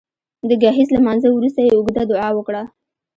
د ګهیځ لمانځه وروسته يې اوږده دعا وکړه